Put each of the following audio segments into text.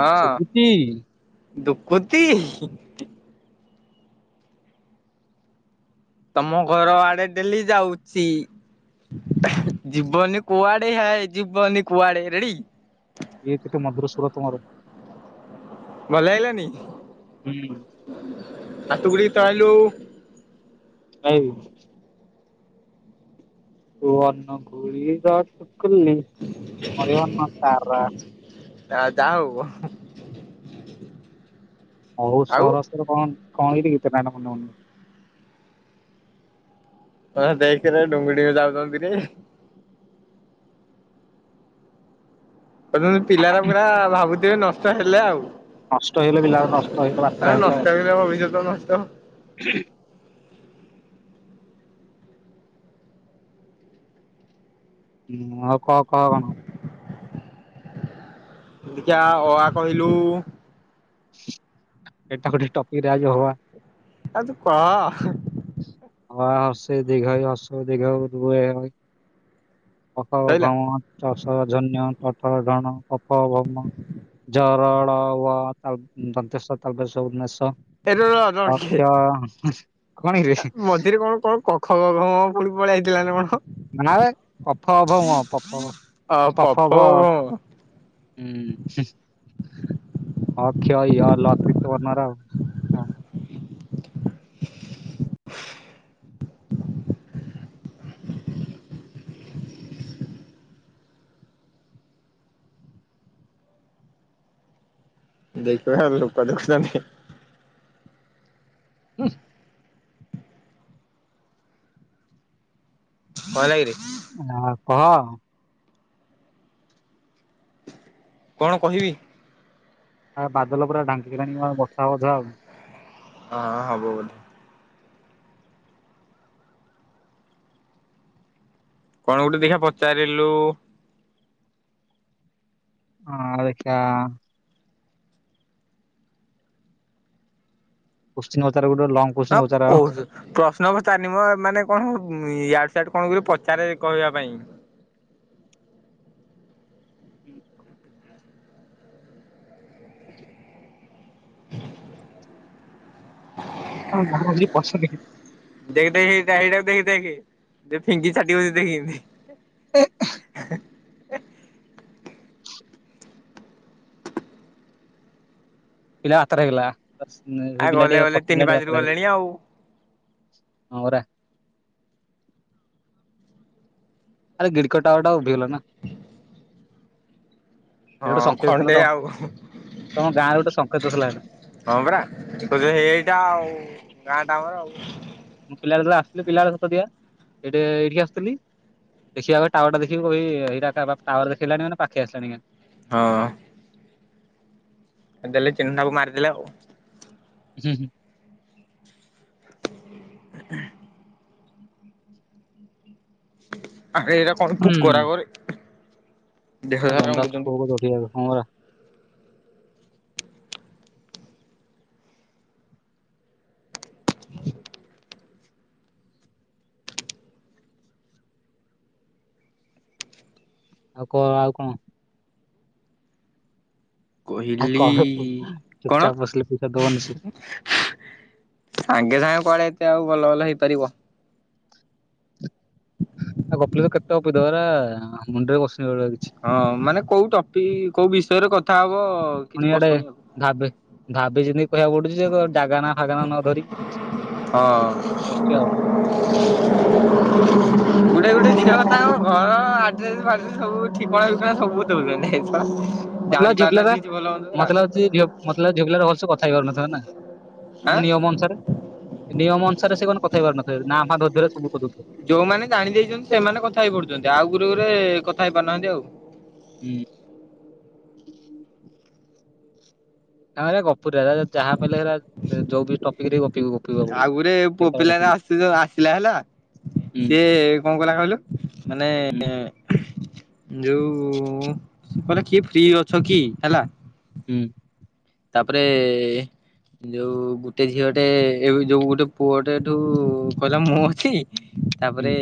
ହଁ, ଶୁଭୁଚି? ଦୁଃଖୁତି। ତମ ଘର ଆଡେ ଡେଲି ଯାଉଛି। ଜୀବନି କୁଆଡେ ହୋଇ ଜିବନି କୁଆଡେ ରେଡି। ଏଇ [unintelligible] ମଧୁର ସୁର ତମର। ଭଲ ହେଇିଲାନି ହୁଁ ହାତୁ ଗୁଡିିକ ତଳିଲୁ। ଆ [unintelligible] ହଅନ ଗୁଳି ଦଟ ସୁକୁଲି ମନ ସାର [unintelligible] ଆ ଯା ହଉ। ହଉ ଆଉ ସରସର କଣ କଣ କିି ଗୀତେ ନାଟ ମନେ ପଡ଼ୁନି? ହ ଦେଖରେ ଡୁଙ୍ଗୁଡିଙ୍ଗ ବି ଯାଉଛନ୍ତି। କହୁଛନ୍ତି ପିଲାଟା ପୁରା ଭାବୁଥିବେ ନଷ୍ଟ ହେଲେ ଆଉ। ନଷ୍ଟ ହେଇଗଲେ ପିଲା ନଷ୍ଟ ହେଇଗଲେ ବାତେର ହେଇଗଲେ ନଷ୍ଟ ଆଉ। ହେଲେ ଭବିଷ୍ୟତ ନଷ୍ଟ ହୁଁ, ଆଉ କ କହ କଣ? ଦେଖିବା ଅ ଆ କହିଲୁ। ଏଇଟା ଗୋଟେ ଟପିକରେ ଆ ହବା। ଆଉ ତ କଅ? ଅ ଆ ହସେଇ ଦିଘେଇ ହସଉ ଦିଘଉ ରୁ ଏ ଓଇ। କଫ ସଇଲା ଘମ ଚାଷ ଧନ୍ୟ ଟଠର ଢଣ କଫ ବମ [unintelligible] ଜରଳ ତା ଦନ୍ତ ତାଲେଶ ଉନେଶ [unintelligible] ଏ ର ର ର ଟିକେ ଆଛା [unintelligible] ମଝିରେ କଣ କଣ କ କଖ ଗ ଘ ମ ପୁଣି ପଳେଇଆ ଆଇଥିଲା ନା କଣ? ପାଫ ଭ ପାଫ ଅ ପ ପାଫ ଫ ଭ ମ [unintelligible] ହୁଁ ହ କ୍ଷ ୟ ଲ [unintelligible] ଆଉ। ଦେଖିବା ଲୋକ ଦେଖୁଛନ୍ତି। ହୁଁ [unintelligible] କଣ ହେଲା କିରେ? ଆ କଅହ? କଣ କହିବି? ଆ ବାଦଲ ପୁରା ଢାଙ୍କିଲାଣି ବର୍ଷ ହେବ ବୋଧେ ଆଉ। ହଁ ହବ ବୋଲି। କଣ ଗୋଟେ ଦେଖା ପଚାରିଲୁ। ହଁ ଦେଖା। [unintelligible] ଗୋଟେ ଲଙ୍ଗ ହଁ କୋଶ୍ଚିନ୍ ପଚାର ଆଉ। କହୁଛ [unintelligible] ପ୍ରଶ୍ନ ପଚାରନି ମ ମାନେ କଣ ୟାଡ ସିଆଡେ କଣ ହୁଏ ପଚାରେ କହିବା ପାଇଁ। ହୁଁ [unintelligible] ହ ହଁ ଘ ଆଜି ବସା ଲେଖିଛି [unintelligible] ଦେଖି ଦେ ସେଇଟା ଏଇଟାକୁ ଦେଖି ଦେଖି ଫିଙ୍କି ଛାଟି ବଛି ଦେଖିମିତି [unintelligible] ହ [unintelligible] ପିଲା ବାତେରା ଆ ହେଇଗଲା ପିଲା ଗଲେ ଟ ଗଲେ ପଛ ତିନି ପିଲା ପାଞ୍ଚରୁ ବାତେରା ହେଇଗଲା। ଗଲେଣି ଆଉ ହରା। ଆରେ ଗିଡ଼ିକଟାଟା ଉଭିଲଲା ନା [unintelligible] ସେ ଗୋଟେ ହଁ ସଂଙ୍କେତ ଥିଲା ଖଣ୍ଡେ ତ ଆଉ ତମ ଗାଁରେ ଗୋଟେ ସଙ୍କେତ ଥିଲା ହେଲା। ହଁ ପରା, [unintelligible] ଏଇଟା ଆଉ ଗାଁ ଟା ଆମର ଆଉ। [unintelligible] ଦେଖିବା ଟାୱାର ଟା ଦେଖିକି କହିଇଟା ଟାୱାର ଦେଖିଲାଣି ମାନେ ପାଖେଇ ଆସିଲାଣି ଗାଁ। ହଁ। ଦେଲେ ଚିହ୍ନଟାକୁ ମାରିଦେଲେ ଆଉ। ହୁଁ ହୁଁ। [unintelligible] ଆଉ ସାରା ଜନ୍ଦା ରଙ୍ଗୁଛନ୍ତି ପୋକ [unintelligible] ଆଉ କ ଆଉ କଣ? ଆଉ କହିଲି କଣ କଣ ଚୁପଚାପ ବସିଲେ ପଇସା ଦବନି ସେ ସାଙ୍ଗେ ସାଙ୍ଗେ କୁଆଡେ ଏତେ ଆଉ ଭଲ ଭଲ ହେଇପାରିବ। ଆଉ ଗପିଲି ତ କେତେ ଗପି ଦବ ହେରା ମୁଣ୍ଡରେ ବସନିଳିଆ କିଛି। ହଁ ମାନେ କୋଉ ଟପିକ କୋଉ ବିଷୟରେ କଥା ହବ କିଛି ଫୁଣି ଇଆଡେ ପଶୁନି ଆଉ। ଭାବି, ଭାବି ଚିନ୍ତି କାହିଆକୁ ପଡୁଚି ଯେ ଜାଗା ନା ଫାଗା ନା ନ ଧରି ଇଏ ସିଏ। ହଁ, ଇଏ ହଉଛି ଆଉ ଗୁଟେ ଗୁଟେ ଖେଳ ତାଙ୍କ ଘର ଆଡ୍ରେସ ଫାଡ୍ରେସ ସବୁ ଠିକଣା ଫିକଣା ସବୁ ଦଉଚନ୍ତି। [unintelligible] ମତେ ଲାଗୁଛି ଜାଣି ଝିଅ ପିଲାରା ପାରୁନାହାନ୍ତିି କିଛି ଭଲ ମନ୍ଦ ମତେ ଲାଗୁଚି ଝିଅ ପିଲା ଗୁରା ଭଲସେ କଥା ହେଇ ପାରୁନଥିବ ନା? ମାନେ ଆଁ। ନିୟମ ଅନୁସାରେ ନିୟମ ଅନୁସାରେ ସେ କଣ କଥାହେଇପାରୁନଥିବେ ନା ଫା। [unintelligible] ଯୋଉମାନେ ଜାଣି ଦେଇଚନ୍ତି ସେମାନେ କଥା ହେଇ ପଡୁଚନ୍ତି। ଆଉ ଗୁରେ ଗୁରେ କଥା ହେଇ ପାରୁନାହାନ୍ତି ଆଉ। ହୁଁ। ତା ଗପୁର ଟା ଯାହା ପଇଲେ ହେଲା ଯୋଉ ବି ଟପିକରେ ଗପିବ ଗପିବ ଆଉ ପଡିବ। ଗୁରେ ପୁଅ ବେକାର ପିଲା ହେରା ଟପିକ ଆସିଲା ଆସିଲା ହେଲା। ହୁଁ ସେ କଣ କଲା କହିଲୁ ମାନେ ହୁଁ ଯୋଉ କହିଲା କିଏ ଫ୍ରି ଅଛ କି ହେଲା। ହୁଁ। ତାପରେ ଯୋଉ ଗୁଟେ ଝିଅଟେ ଏ ଯୋଉ ଗୋଟେ ପୁଅଟେ ଏଠୁ କହିଲା ମୁଁ ଅଛି। ହୁଁ ତାପରେ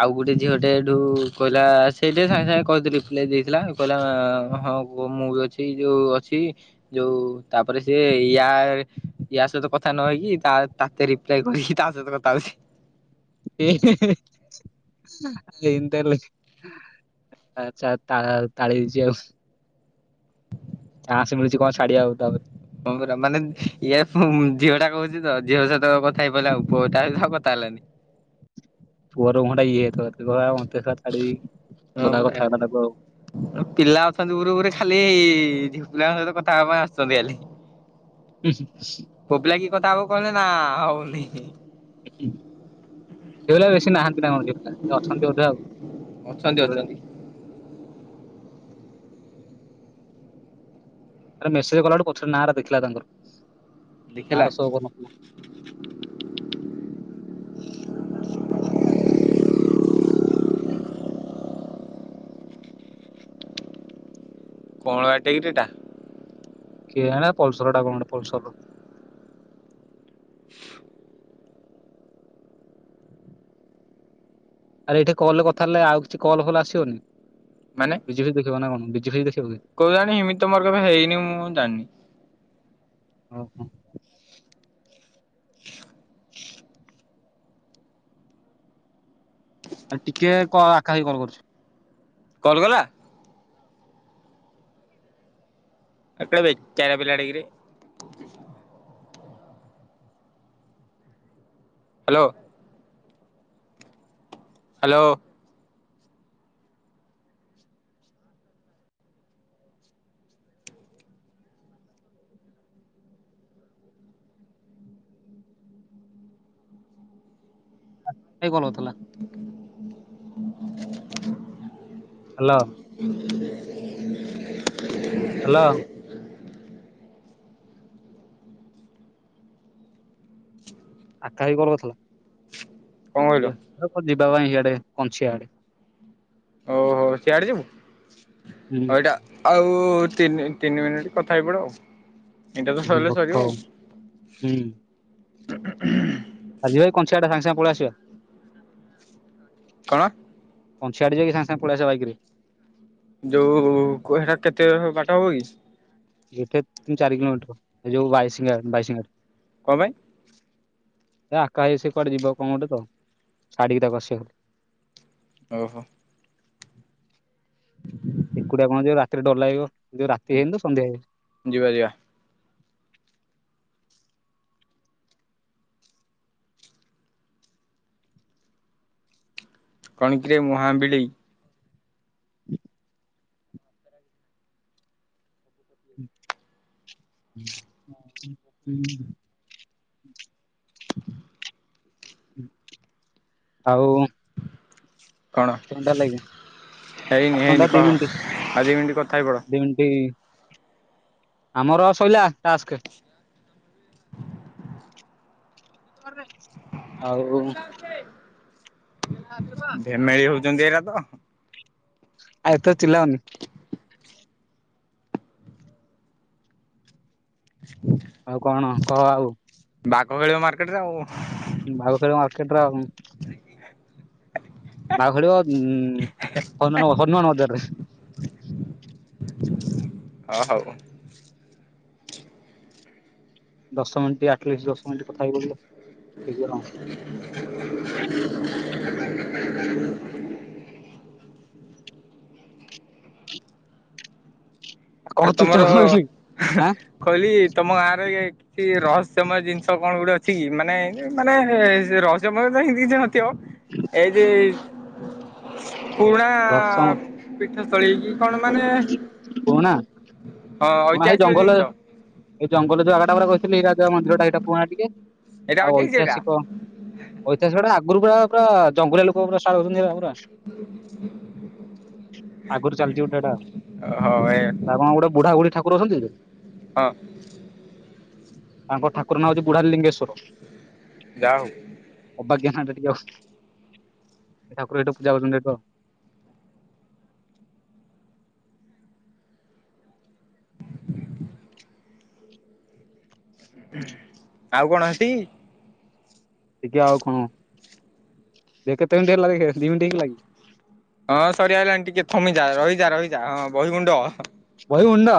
ଆଉ ଗୁଟେ ଝିଅଟେ ଏଇଠୁ କହିଲା ସେଇଟେ ସାଙ୍ଗେ ସାଙ୍ଗେ କହିଥିଲି ରିପ୍ଲାଇ ଦେଇଥିଲା ଆଉ। କହିଲା ହଁ ମୁଁ ବି ଅଛି ଯୋଉ ଅଛି ଯୋଉ ତାପରେ ସେ ୟା ୟା ସହିତ କଥା ନହେଇକି ତା ତାତିରି ରିପ୍ଲାଇ କରିକି ତା ସହିତ କଥା ହଉଚି। [unintelligible] ଆଛା ତା ତାଳି ହେଇ ଯାଉ। ଚାନ୍ସ ମିଳୁଚି କଣ ଛାଡି ଆଉ ତାପରେ ହଁ ପରା, ମାନେ ଇଏ ଝିଅ ଟା କହୁଚି ତ ଝିଅ ସହିତ କଥା ହେଇ ପାରିଲ ଆ ପୁଅଟା ଆଉ କଥା ହେଲାନି। ହଁ ପରା। [unintelligible] ପିଲା ଅଛନ୍ତି ଗ୍ରୁପ୍ ରେ ଖାଲି ଝିଅ ପିଲା ଙ୍କ ସହିତ କଥା ହେବା ପାଇଁ ଆସୁଚନ୍ତି ଖାଲି। [unintelligible] ପୋପିଲା କି କଥା ହବୁ କହିଲେ ନା ହଉନି। ସେ ପିଲା ବେଶୀ ନାହାନ୍ତି ନା କଣ ଝିଅ ପିଲା ଅଛନ୍ତି ବୋଧେ ଆଉ। ଅଛନ୍ତି ସେଇଭଳିଆ ଅଛନ୍ତି। ଆରେ ମେସେଜ କଲା ବେଳଠୁ କୋଉଛି ନାଁଟା ର ଦେଖିଲା ତାଙ୍କର ନାଁ ଦେଖିଲା? ର ସୋ କରୁନଥିଲା କ‌ଅଁଳା ଏଟା କିରେ ଏଟା। [unintelligible] କି ହେରା ପଲସରଟା କଣ ଗୋଟେ ପଲସରର। ! ଆରେ ଏଇଟା କଲରେ କଥା ହେଲେ ଆଉ କିଛି କଲ୍ ବଲ ଆସିବନି। ମାନେ ବିଜିରେ ଦେଖେଇବନା କଣ ବିଜି ଖାଲି ଦେ କୋଉଆଣି ଏମିତି ମୋର କେବେ ହେଇନି ମୁଁ ଜାଣିନି। ଓହୋ। ! ଆ ଟିକେ କ କାଇଁ କଲ୍ କରୁଛି। କଲ୍ କଲା? ଏଟା ବେକାରିଆ ପିଲାଟେ କିରେ। [inaudible] ହାଲୋ। ହାଲୋ। କିଏ ଫୋନ କରିଥିଲା? [inaudible] ହାଲୋ। [inaudible] ହାଲୋ। [inaudible] ଫାଙ୍କା ହେଇକି କଲ୍ କରିଥିଲ। କଣ କହିଲୁ ଯିବା ଆଉ କଣ ଯିବା ପାଇଁ ଏଆଡେ କଞ୍ଚିଆ ଆଡେ। ଓହୋ ସିଆଡେ ଯିବୁ ହୁଁ ଆଉ ଏଇଟା ଆଉ ତିନି ତିନି ମିନିଟ୍ କଥା ହେଇ ପଡିବ ଆଉ। ଏଇଟା ତ ହୁଁ ସରିଲେ ଭୋକ ସରିବ ଆଉ। ହୁଁ [unintelligible] ଆଜି ଭାଇ କଞ୍ଚାଟା ସାଙ୍ଗ ସାଙ୍ଗେ ପଳେଇ ଆସିବା। କଣ? କଂଛିଆଡେ ଯାଇକି ସାଙ୍ଗେ ସାଙ୍ଗ ପଳେଇ ଆସିବା ବାଇକିରେ। ଯୋଉ କୋ ହେଟା କେତେ [unintelligible] ବାଟ ହବ କି? ଏଟା ତିନ ଚାରି କିଲୋମିଟର ଏ ଯୋଉ ବାଇଶିଙ୍ଗା ବାଇଶିଙ୍ଗାରେ। କଂ ପାଇଁ? ଏ ଆକା ଭାଇ ସେ କୁଆଡେ ଯିବ କଣ ଗୋଟେ ତ ଛାଡିକି ତାକୁ ଆସିବ କୋହୁଥିଲି। ଓହୋ। ଏକୁଟିଆ କଣ ଯିବ ରାତିରେ ଡର ଲାଗିବ ଯୋଉ ରାତି ହେଇନି ତ ସନ୍ଧ୍ୟା ହେଇଯାଇଚି। ଯିବା ଯିବା। କଣ କିରେ ମୁହାଁ ବିଲେଇ। [unintelligible] ଆଉ କଣ ଥଣ୍ଡା ଲାଗେ ହେଇନି ହେଇନି ଥଣ୍ଡା ଦି କହ ମିଣ୍ଟି ଆଉ ମିନିଟ୍ କଥା ହେଇ ପଡ ଦି ମିଣ୍ଟି। ଆମର ଶଇଲା ଟାସ୍କେ। [unintelligible] ଆଉ। ଆ ଶୁଭ। ଏ ମେଳି ହଉଛନ୍ତି ଏରା ତ। ଆଉ ଏତେ ଚିଲାଅନି। [inaudible] ଆଉ କଣ କହ ଆଉ? ବାଘ ଖେଳିବ ମାର୍କେଟ ରେ ଆଉ। ବାଘ ଖେଳିବ ମାର୍କେଟରେ ଆଉ। ବାଘ ଖେଳିବ ଉ ହନୁମାନ ହନୁମାନ ବଜାରରେ। ହ ହଉ। ଦଶ ମିନିଟ୍ ଆଟଲିଷ୍ଟ ଦଶ ମିନିଟ୍ କଥା ହେଇ ପଡିଲ ଠିକ ବରଂ। [inaudible] କଣ ତାଲେ ଚୁପଚାପ ତମର କଣ ରହିଲୁ? ଆଁ କଇଲି ତମ ଗାଁର ଖଲି ଇଏ ସେ ରହସ୍ୟମୟ ଜିନିଷ କଣ ଗୋଟେ ଅଛି କି ମାନେ ମାନେ ରହସ୍ୟମୟ ତ ହିନ୍ତି କିଛି ନ ଥିବ ଏଇ ଯେ ପୁରୁଣା ଦଶମ ପୀଠସ୍ଥଳୀ କିି କଣ ମାନେ ପୁରୁଣା ହଁ ପୁଣା ହେଇ ଐତିହାସିକ ଜଙ୍ଗଲ ଜିନିଷ ଏଇ ଜଙ୍ଗଲରେ ଜଉ ଜାଗାଟା ପୁରା କହିଥିଲି ହେଇ ରାଜାଙ୍କ ମନ୍ଦିରଟା ହେଇଟା କହୁନ ଟିକେ ଏଇଟା ଆଉ ଏଟା ଐତିହାସିକ। ଐତିହାସ ଗୁଡା ଆଗରୁ ପୁରା ପୁରା ଜଙ୍ଗଲିଆ ଲୁକ ପ୍ରସ୍ତାବ ଦଉସନ୍ତି ପୁରା। [inaudible] ଆଗରୁ ଚାଲିଛି ଗୋଟେ ହେଟା ଓହୋ ଏ ଟା କଣ ବୁଢା ବୁଢୀ ଠାକୁର ଅଛନ୍ତି କି? ହଁ ତାଙ୍କ ଠାକୁର ନାଁ ହଉଚି ବୁଢା ଲିଙ୍ଗେଶ୍ୱର। ଯାହଉ। ଅବାଗିଆ ନାଁ ଟା ଟିକେ ଆଉ ହେ ଠାକୁର ହେଠେ ପୂଜା କରୁଚନ୍ତି ହେଠୁ ଆଉ। [inaudible] ଆଉ କଣ ହେତିକି? ହେତିକି ଆଉ କଣ ଦେ କେତେ ମିଣ୍ଟି ହେଲା ଦେଖେ ଦି ମିଣ୍ଟି ହେଇଗଲାକି? ହଁ ସରି ଆଇଲାଣି ଟିକେ ଥମିଯା ରହିଯା ରହିଯା ହଁ ବହିଗୁଣ୍ଡ। ବହିଗୁଣ୍ଡ।